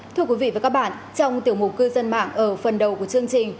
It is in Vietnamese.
thưa quý vị và các bạn trong tiểu mục cư dân mạng ở phần đầu của chương trình